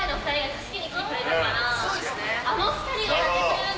あの２人がやってくれるんじゃ。